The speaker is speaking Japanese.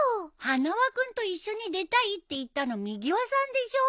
花輪君と一緒に出たいって言ったのみぎわさんでしょ。